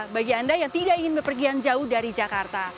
bagi anda yang tidak ingin berpergian jauh dari jakarta